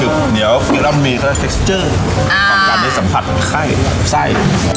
เดี๋ยวมีเซคเจอร์สัมผัสไข้ไส้